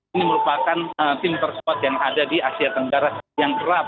ini merupakan tim terkuat yang ada di asia tenggara yang kerap